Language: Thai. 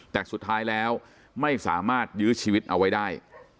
แต่สุดท้ายแล้วไม่สามารถยื้อชีวิตเอาไว้ได้